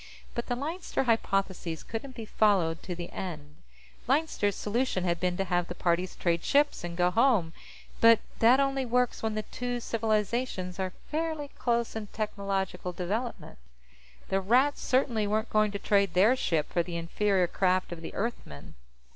But the Leinster Hypothesis couldn't be followed to the end. Leinster's solution had been to have the parties trade ships and go home, but that only works when the two civilizations are fairly close in technological development. The Rats certainly weren't going to trade their ship for the inferior craft of the Earthmen.